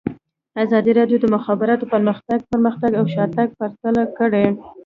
ازادي راډیو د د مخابراتو پرمختګ پرمختګ او شاتګ پرتله کړی.